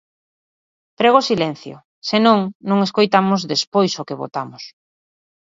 Prego silencio; se non, non escoitamos despois o que votamos.